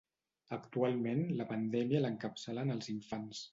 Actualment, la pandèmia l’encapçalen els infants.